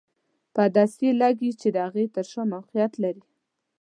په عدسیې لګیږي چې د هغې تر شا موقعیت لري.